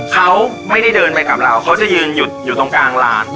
เขาไม่ได้เดินไปกับเราเขาจะยืนหยุดอยู่ตรงกลางร้าน